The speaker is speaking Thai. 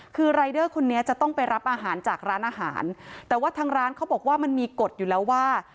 คือรายเดอร์คนนี้จะต้องไปรับอาหารจากร้านอาหารแต่ว่าทางร้านเขาบอกว่ามันมีกฎอยู่แล้วว่า